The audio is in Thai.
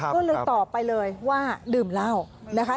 ก็เลยตอบไปเลยว่าดื่มเหล้านะคะ